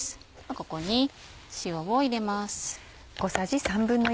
ここに塩を入れます。